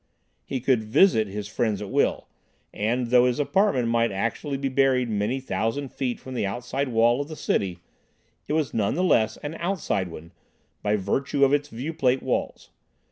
He could "visit" his friends at will, and though his apartment actually might be buried many thousand feet from the outside wall of the city, it was none the less an "outside" one, by virtue of its viewplate walls.